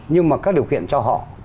nhưng mà các điều kiện cho họ